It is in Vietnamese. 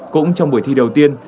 cũng trong buổi thi đầu tiên